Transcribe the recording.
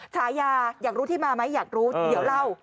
ฉายาอยากรู้ที่มาไหมอยากรู้เดี๋ยวเล่า